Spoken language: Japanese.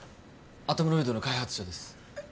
アトムロイドの開発者ですえっ